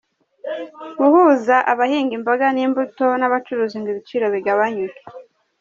Guhuza abahinga imboga n’imbuto n’abacuruzi ngo ibiciro bigabanuke